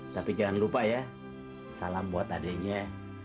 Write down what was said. tapi jangan lupa ya salam buat adiknya